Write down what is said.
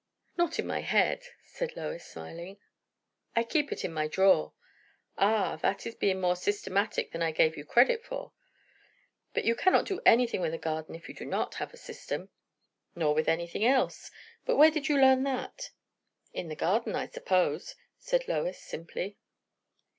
"Not in my head," said Lois, smiling. "I keep it in my drawer." "Ah! That is being more systematic than I gave you credit for." "But you cannot do anything with a garden if you have not system." "Nor with anything else! But where did you learn that?" "In the garden, I suppose," said Lois simply.